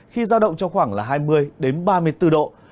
khi ra động trong khoảng là hai mươi đến ba mươi bốn độ